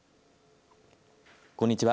こんにちは。